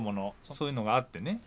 そういうのがあってね。